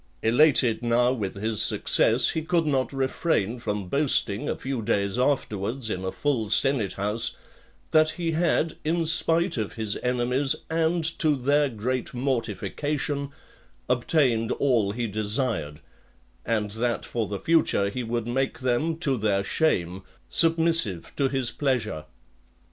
Elated now with his success, he could not refrain from boasting, a few days afterwards, in a full senate house, that he had, in spite of his enemies, and to their great mortification, obtained all he desired, and that for the future he would make them, to their shame, submissive to his pleasure.